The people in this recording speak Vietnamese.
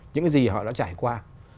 những cái gì họ đã trải qua